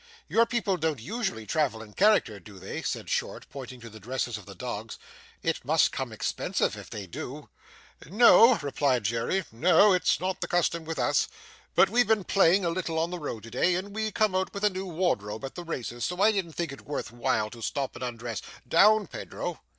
'Your people don't usually travel in character, do they?' said Short, pointing to the dresses of the dogs. 'It must come expensive if they do?' 'No,' replied Jerry, 'no, it's not the custom with us. But we've been playing a little on the road to day, and we come out with a new wardrobe at the races, so I didn't think it worth while to stop to undress. Down, Pedro!